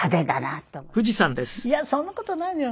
いやそんな事ないのよ。